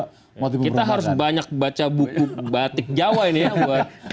kita harus banyak baca buku batik jawa ini ya buat